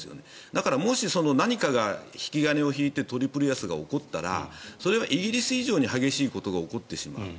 だから、もし何かが引き金を引いてトリプル安が起こったらそれはイギリス以上に激しいことが起こってしまう。